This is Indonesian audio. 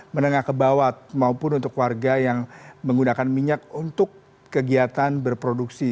menengah ke bawah maupun untuk warga yang menggunakan minyak untuk kegiatan berproduksi